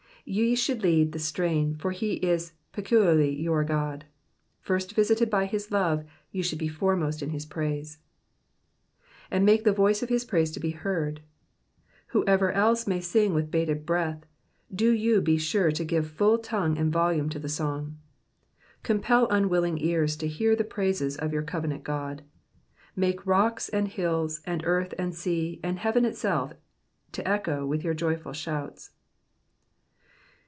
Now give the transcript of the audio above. Ye should lead the strain, for he is peculiarly your God. First visited by his love, ye should be foremost in his praise. ^^A?id make the voice of his praise to he heard.^* Who ever else may sing with bated breath, do you be sure to give full tongue and volume to the song. Compel unwilling ears to hear the praises of your covenant God. Make rock^ and hills, and earth, and sea, and heaven itself to echo with your joyful shouts.